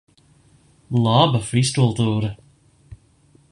Laba fizkultūra!